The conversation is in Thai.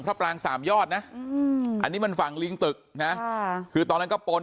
ปรางสามยอดนะอันนี้มันฝั่งลิงตึกนะคือตอนนั้นก็ปน